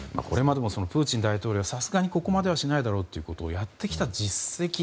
これまでもプーチン大統領さすがにここまではしないだろうということをやってきた実績。